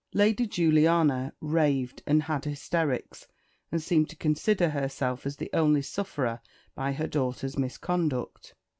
Lady Juliana raved, and had hysterics, and seemed to consider herself as the only sufferer by her daughter's misconduct.